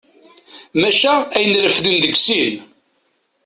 Maca ayen refden deg sin.